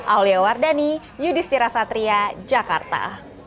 aulia wardani yudhistira satria jakarta